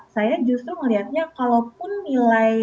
saya justru melihatnya kalaupun nilai